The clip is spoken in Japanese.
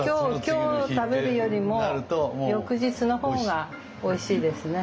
今日食べるよりも翌日の方がおいしいですね。